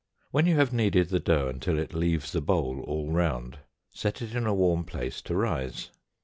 When you have kneaded the dough until it leaves the bowl all round, set it in a warm place to rise.